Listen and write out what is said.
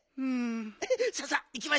さあさあいきましょう。